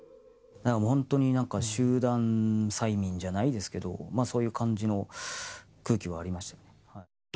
本当になんか、集団催眠じゃないですけど、そういう感じの空気はありました。